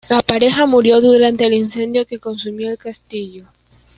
La pareja murió durante el incendio que consumió el castillo.